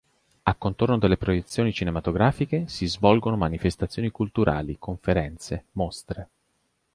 A contorno delle proiezioni cinematografiche, si svolgono manifestazioni culturali, conferenze, mostre.